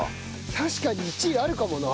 確かに１位あるかもなあ。